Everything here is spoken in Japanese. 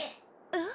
えっ？